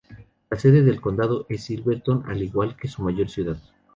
La sede del condado es Silverton, al igual que su mayor ciudad.